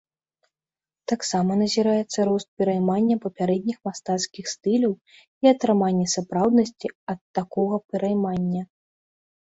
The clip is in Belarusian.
Таксама назіраецца рост пераймання папярэдніх мастацкіх стыляў і атрымання сапраўднасці ад такога пераймання.